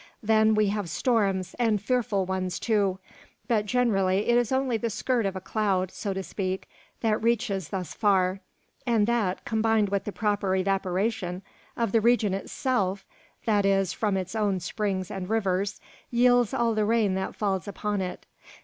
Then we have storms, and fearful ones too. But, generally, it is only the skirt of a cloud, so to speak, that reaches thus far; and that, combined with the proper evaporation of the region itself, that is, from its own springs and rivers, yields all the rain that falls upon it.